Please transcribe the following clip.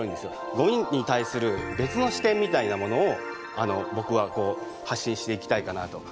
ゴミに対する別の視点みたいなものを僕はこう発信していきたいかなと思ってますね。